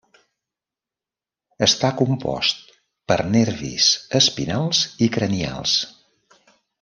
Està compost per nervis espinals i cranials.